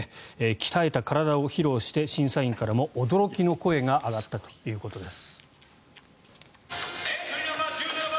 鍛えた体を披露して審査員からも驚きの声が上がったということです。